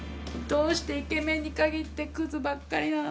どうしてイケメンに限ってクズばっかりなの？